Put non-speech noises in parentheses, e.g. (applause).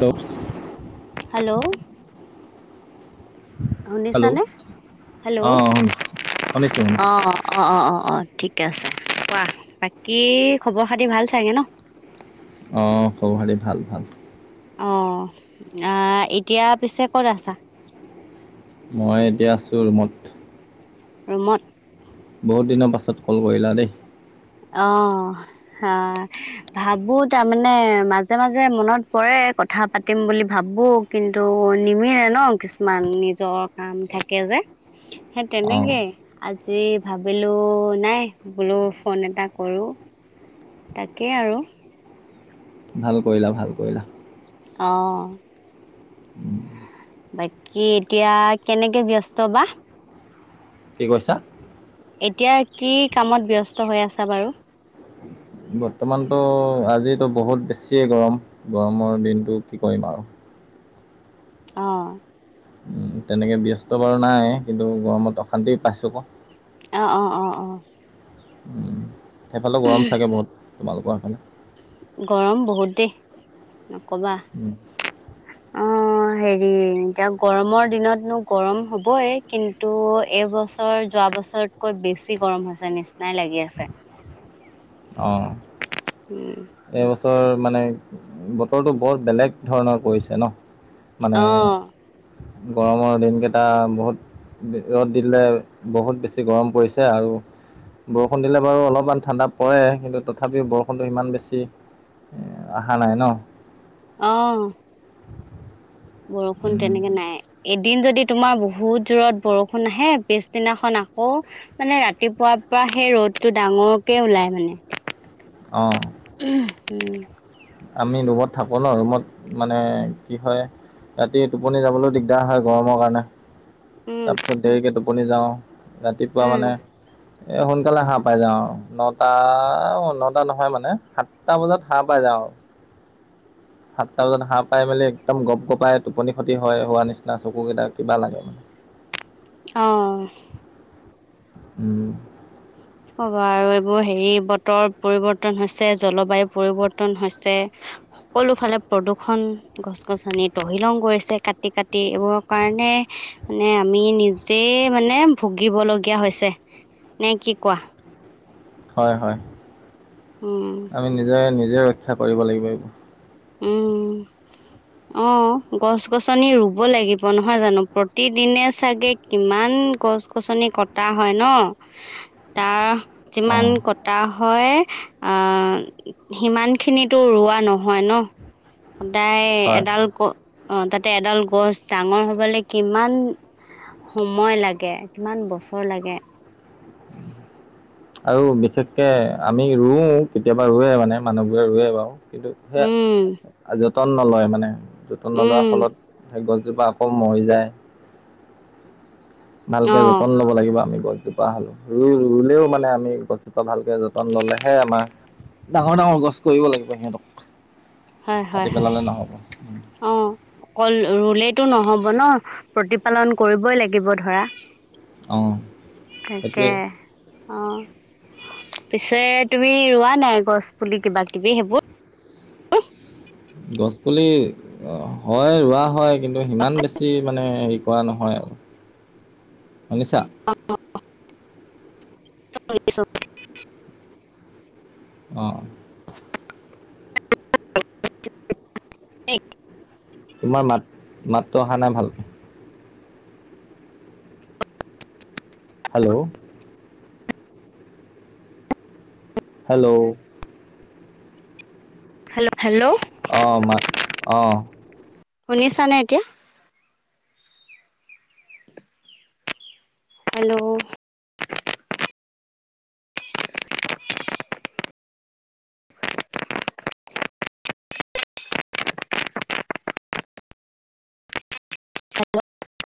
Hello hello শুনিছ hello নে hello অঁ শুনিছোঁ শুনিছোঁ অ শুনিছোঁ অ অ অ অ অ ঠিকে আছে কোৱা বাকী খবৰ খাতি ভাল চাগে ন আহ খব হাৰি ভাল ভাল অ 'আহ এতিয়া পিছে ক'ত আছা মই এতিয়া আছো ৰুমত। ৰমত। বহুত দিনৰ পাছত কল কৰিলা দেই। অ' আহ ভাবো তাৰমানে মাজে মাজে মনত পৰে কথা পাতিম বুলি ভাবো কিন্তু নিমিে ন কিছুমান নিজৰ কাম থাকে যে সেই অঁ তেনেকে আজি ভাবিলো নাই বোলো ফোন এটা কৰোঁ তাকেই আৰু। ভাল কৰিলা ভাল কৰিলা। অ' বাকী এতিয়া কেনেকে ব্যস্ত বা কি কৈছা? এতিয়া কি কামত ব্যস্ত হৈ আছা বাৰু। বৰ্তমানতো আজো বহুত বেছিয়ে গৰম গৰমৰ দিনটো কি কৰিম আৰু। অ' তেনেকে ব্যস্ত বাৰু নাই কিন্তু গৰমত অশান্তি পাইছো আকৌ অ -অ -অ -অ উম, সেইফালে গৰম চাগে বহুত তোমালোকৰ সেইফালে। গৰম বহুত দ নকবা। উম, অ' হেৰি এতিয়া গৰমৰ দিনতনো গৰম হ'বই কিন্তু এইবস্ত বছৰ যোৱা বছৰতকৈ বেছি গৰম হৈছে নিচিনাই লাগি আছে। অ' উম এই বস্থা বৰ মানে বতৰটো বৰ বেলেগ ধৰণৰ পৰিছে ন' মানে অ গৰমৰ দিনকেইটা বহুত। ৰ'দ দিলে বহুত বেছি গৰম পৰিছে আৰু বৰষুণ দিলে বাৰু অলপমান ঠাণ্ডা। কৰে কিন্তু তথাপিও বৰষুণটো সিমান বেছি অহা নাই ন' অহ বৰষুণ উম, তেনেকে নাই। এদিন যদি তোমাৰ বহুত জোৰত বৰষুণ আহে পিছদিনাখন আকৌ মানে ৰাতিপুৱা। তাৰ পৰা সেই ৰ'দ টো ডাঙৰকে ওলাই মানে। অ' উম আমি ৰুমত থাকো ন ৰুমত মানে কি হয়। ৰাতি টোপনি যাবলৈও দিগদাৰ হয় গৰমৰ কাৰণে উম তাৰপিছত দেৰিকে টোপনি যাওঁ ৰাতিপুৱা উম মানে এ সোনকালে হাঁহ পাই যাওঁ আৰু নটা নটা নহয় মানে সাতটা বজাত হাঁহ পাই যাওঁ আৰু। (inaudible) সাতটা বজাত হাঁহ পাই মেলি একদম গপ গপাই টোপনি ক্ষতি হয় হোৱা নিচিনা চকু কেইটা কিবা লাগে মানে অহ উম, অ'ব আৰু এইবোৰ হেৰি বতৰ পৰিবৰ্তন হৈছে জলবায়ু পৰিৱৰ্তন হৈছে। সকলো ফালে প্ৰদূষণ গছ গছনি তহিলং গৈছে কাটি কাটি এইবোৰৰ কাৰণে। মানে আমি নিজেই মানে ভুগিব লগগীয়া হৈছে নে কি? কোৱা। হয় হয় উম আমি নিজে নিজে ৰক্ষা কৰিব লাগিব এইবোৰ উম অ গছ গছনি ৰুব লাগিব নহয় জানো প্ৰতিদিনে চাগে কিমান গছ গছনি কটা হয় ন তাৰ যিমান অ', কটা হয় হয় আ সিমান খিনিতো ৰোৱা নহয় ন সদায় হয়। এডাল গ অ তাতে এডাল গছ ডাঙৰ হবলৈ কিমান সময় লাগে কিমান বছৰ লাগে আৰু বিশেষকে আমি ৰুওঁ কেতিয়াবা ৰুৱে মানে মানুহবোৰে ৰুৱে বাৰু কিন্তু উম সেয়া যতন নলয় মানে যতন উম নলোৱাৰ ফলত সেই গছ এজোপা আকৌ মৰি যায় ভালকে অঁ যতন ল'ব লাগিব আমি গৈ জোপা হলো ৰুই ৰুলেও মানে আমি বস্তুটো ভালকে যতন ললেহে আমাৰ ডাঙৰ ডাঙৰ গছ কৰিব লাগিব সিহঁতক হয় কাটি হয় হয় পেলালে নহ'ব অ অকল ৰুলে টো নহব ন প্ৰতিপালন কৰিবই লাগিব ধৰা অ সেইটোৱে অ পিছে তুমি ৰোৱা নাই গছ পুলি কিবা কিবি সেইবোৰ গছ পুলি হয় ৰোৱা হয় কিন্তু সিমান বেছি মানে কৰা নহয় আৰু নিছা (unintelligible) অ' তোমাৰ মাত মাতটো অহা নাই ভালকে। হেল্ল'। হেল্ল'। Hello, hello. আহ মা আহ শনিছ নে এতিয়া হেল্ল' হব